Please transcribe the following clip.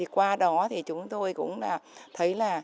qua đó chúng tôi cũng thấy